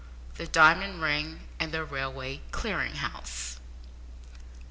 THE DIAMOND RING AND THE RAILWAY CLEARING HOUSE.